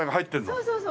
そうそうそう。